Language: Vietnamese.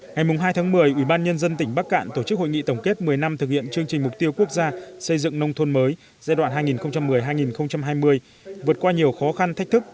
ngày hai tháng một mươi ủy ban nhân dân tỉnh bắc cạn tổ chức hội nghị tổng kết một mươi năm thực hiện chương trình mục tiêu quốc gia xây dựng nông thôn mới giai đoạn hai nghìn một mươi hai nghìn hai mươi vượt qua nhiều khó khăn thách thức